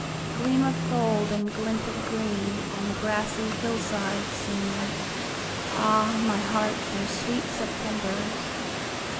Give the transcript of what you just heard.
Gleam of gold, and glint of greenOn the grassy hillsides seen, Ah, my heart, those sweet Septembers!